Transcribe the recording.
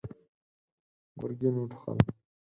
ګرګين وټوخل.